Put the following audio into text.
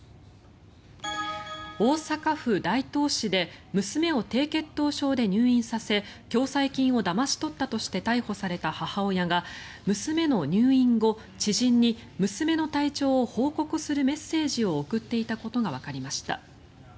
大阪府大東市で娘を低血糖症で入院させ共済金をだまし取ったとして逮捕された母親が娘の入院後、知人に娘の体調を報告するメッセージを送っていたことがわかりました。